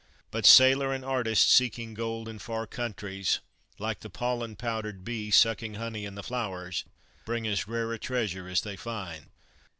But sailor and artist seeking gold in far countries, like the pollen powdered bee sucking honey in the flowers, bring as rare a treasure as they find.